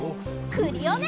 クリオネ！